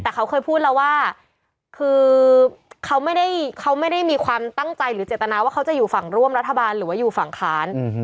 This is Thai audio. แต่เขาเคยพูดแล้วว่าคือเขาไม่ได้เขาไม่ได้มีความตั้งใจหรือเจตนาว่าเขาจะอยู่ฝั่งร่วมรัฐบาลหรือว่าอยู่ฝั่งค้าน